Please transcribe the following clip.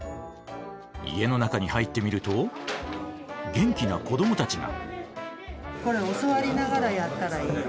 家の中に入ってみると元気な子どもたちが。